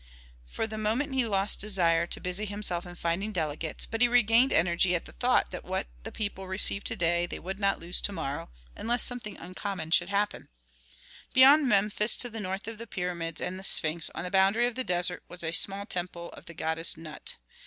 For the moment he lost desire to busy himself in finding delegates, but he regained energy at the thought that what the people received to day they would not lose to morrow, unless something uncommon should happen. Beyond Memphis to the north of the pyramids and the sphinx, on the boundary of the desert, was a small temple of the goddess Nut.